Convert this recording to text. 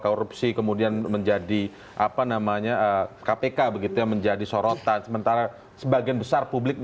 kasus ini akan hadir kalau tidak ada kasus iktp